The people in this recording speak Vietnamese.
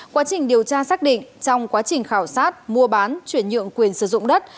quá trình điều tra xác định trong quá trình khảo sát mua bán chuyển nhượng quyền sử dụng đất